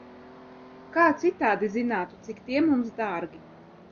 Kā citādi zinātu, cik tie mums dārgi?